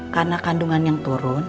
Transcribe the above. karena kandungan yang turun